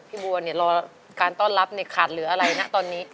บัวเนี่ยรอการต้อนรับเนี่ยขาดเหลืออะไรนะตอนนี้